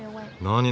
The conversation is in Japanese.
何？